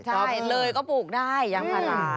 ใช่เลยก็ปลูกได้ยางพารา